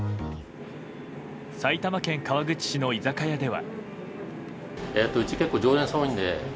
埼玉県川口市の居酒屋では。